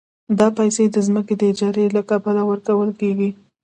دا پیسې د ځمکې د اجارې له کبله ورکول کېږي